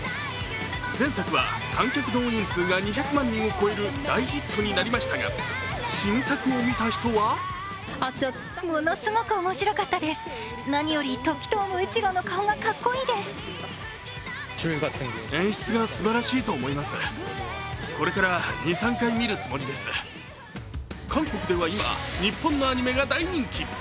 前作は観客動員数が２００万人を超える大ヒットになりましたが、新作を見た人は韓国では今、日本のアニメが大人気。